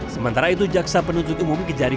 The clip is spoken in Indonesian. sementara itu jaksa penuntut umum kejari